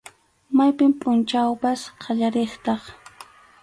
Mayqin pʼunchawpas qallariqtaq.